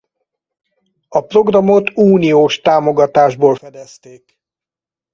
A programot uniós támogatásból fedezték.